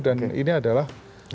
dan kita sudah tahu